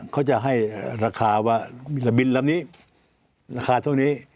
เขาจะให้ราคาว่าบินลำนี้ราคาเท่านี้